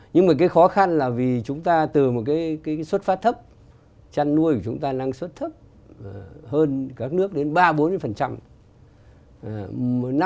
nhưng mà cái khó khăn là vì chúng ta từ một cái xuất phát thấp chăn nuôi của chúng ta năng suất thấp hơn các nước đến ba bốn